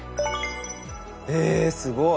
えすごい。